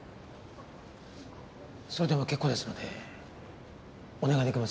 それでも結構ですのでお願い出来ませんか？